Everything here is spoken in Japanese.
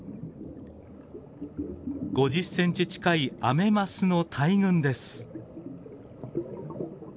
５０センチ近いアメマスの大群です。